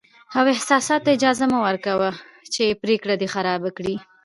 او احساساتو ته اجازه مه ورکوه چې پرېکړې دې خرابې کړي.